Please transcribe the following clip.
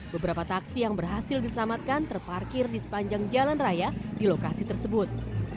beberapa taksi yang berhasil diselamatkan terparkir di sepanjang jalan raya di lokasi tersebut